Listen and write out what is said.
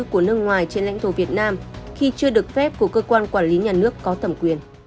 của nước ngoài trên lãnh thổ việt nam khi chưa được phép của cơ quan quản lý nhà nước có thẩm quyền